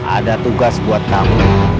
ada tugas buat kamu